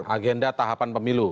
agenda tahapan pemilu